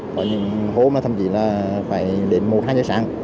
có những hôm là thậm chí là phải đến một hai giờ sáng